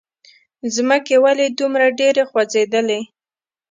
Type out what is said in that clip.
ځمکې! ولې دومره ډېره خوځېدلې؟